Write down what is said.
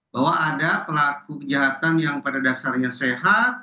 bahwa ada pelaku kejahatan yang pada dasarnya sehat